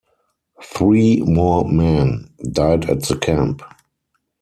Three more men died at the camp.